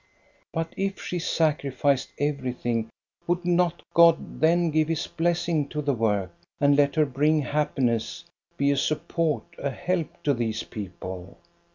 But if she sacrificed everything would not God then give His blessing to the work, and let her bring happiness, be a support, a help, to these people?